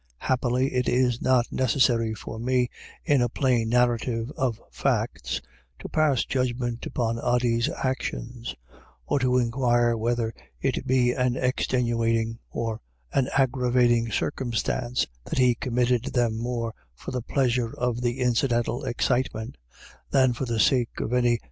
Happily it is not necessary for me, in a plain narrative of facts, to pass judgment upon Ody's actions, or to inquire whether it be an ex tenuating or an aggravating circumstance that he committed them more for the pleasure of the in cidental excitement, than for the sake of any X07 1 10S IRISH IDYLLS.